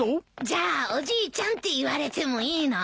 じゃあおじいちゃんって言われてもいいの？